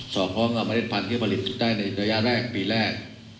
สอบพร้อมเอามาเล่นพันธุ์เครื่องผลิตได้ในระยะแรกปีแรก